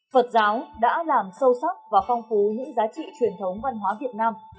phật giáo đã làm sâu sắc và phong phú những giá trị truyền thống văn hóa việt nam